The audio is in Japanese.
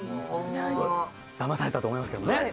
だまされたと思いますけどね。